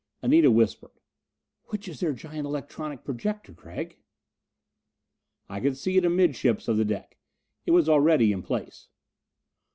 Anita whispered, "Which is their giant electronic projector, Gregg?" I could see it amidships of the deck. It was already in place.